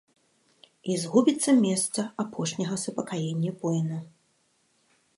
І згубіцца месца апошняга супакаення воіна.